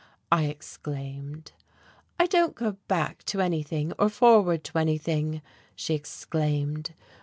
I exclaimed. "I don't go back to anything, or forward to anything," she exclaimed.